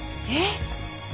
えっ！？